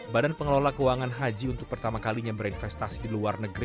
badan pengelola keuangan haji untuk pertama kalinya berinvestasi di luar negeri